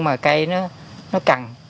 mà cây nó cần